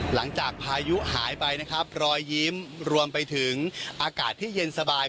หลังจากพายุหายไปนะครับรอยยิ้มรวมไปถึงอากาศที่เย็นสบาย